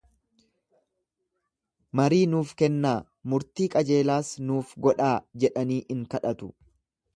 Marii nuuf kennaa, murtii qajeelaas nuuf godhaajadhanii in kadhatu.